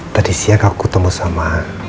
tadi siang aku ketemu sama